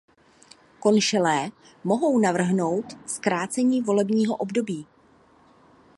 Konšelé mohou navrhnout zkrácení volebního období.